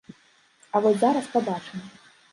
А вось зараз пабачым!